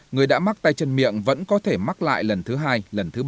người đã mắc tay chân miệng vẫn có thể mắc lại lần thứ hai